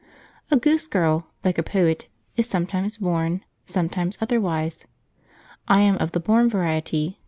A Goose Girl, like a poet, is sometimes born, sometimes otherwise. I am of the born variety.